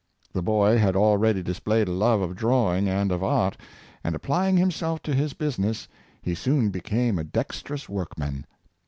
The boy had already displayed a love of drawing and of art; and, applying himself to his busi ness, he soon became a dextrous workman.